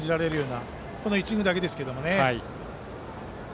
この１イニングだけですけどね。